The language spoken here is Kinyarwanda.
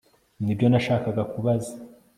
Nibyo nashakaga kubaza